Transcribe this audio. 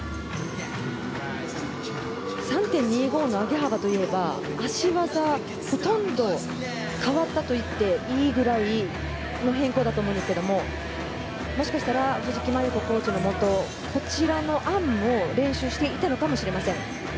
３．２５の上げ幅というのは脚技、ほとんど変わったといっていいぐらいの変更だと思うんですけどもしかしたら藤木麻祐子コーチのもとこちらの案も練習していたのかもしれません。